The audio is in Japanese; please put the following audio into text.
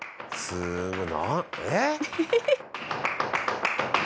「すごい！」